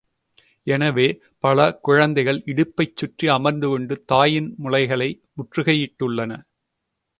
எனவே பல குழந்தைகள் இடுப்பைச் சுற்றி அமர்ந்துகொண்டு தாயின் முலைகளை முற்றுகையிட்டுள்ளன.